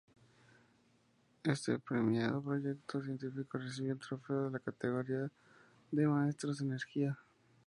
Este premiado proyecto científico recibió el trofeo en la categoría de Maestros de Energía.